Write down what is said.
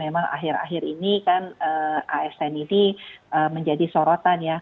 pada akhir ini kan asn ini menjadi sorotan ya